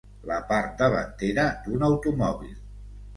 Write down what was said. La part davantera d'un automòbil.